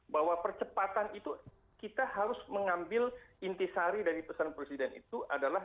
bahwa percepatan itu kita harus mengambil inti sari dari pesan presiden itu adalah